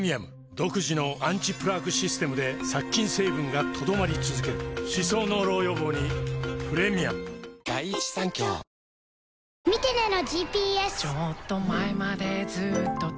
独自のアンチプラークシステムで殺菌成分が留まり続ける歯槽膿漏予防にプレミアム何か付着してる。